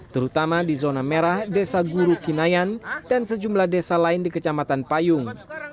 terutama di zona merah desa guru kinayan dan sejumlah desa lain di kecamatan payung